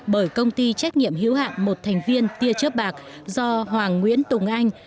bởi công ty trách nhiệm hữu hạn một thành viên tia trước bạc do hoàng nguyễn tùng anh